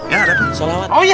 ya ada pak sholawat